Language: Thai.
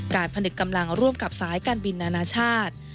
ผนึกกำลังร่วมกับสายการบินนานาชาติ